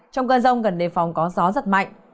trong cơn rông gần đề phòng có gió giật mạnh